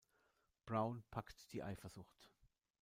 Brown packt die Eifersucht.